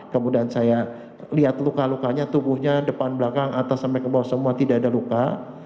kemudian saya lihat luka lukanya tubuhnya depan belakang atas sampai ke bawah semua tidak ada luka